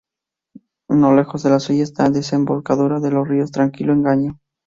No lejos de la suya esta la desembocadura de los ríos Tranquilo, Engaño.